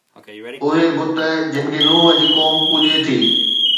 اهي بت جن کي نوح جي قوم پوڄي ٿي